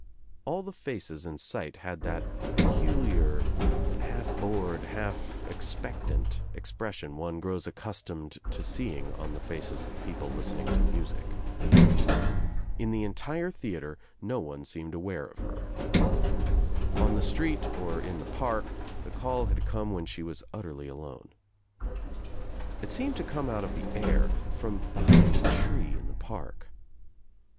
All the faces in sight had that peculiar, half bored, half expectant expression one grows accustomed to seeing on the faces of people listening to music. In the entire theatre no one seemed aware of her. On the street or in the park the call had come when she was utterly alone. It seemed to come out of the air, from behind a tree in the park.